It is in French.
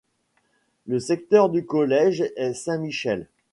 Le secteur du collège est Saint-Michel.